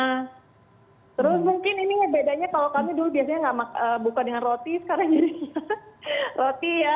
nah terus mungkin ini bedanya kalau kami dulu biasanya nggak buka dengan roti sekarang jadi roti ya